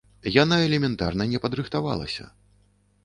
Яна элементарна не падрыхтавалася.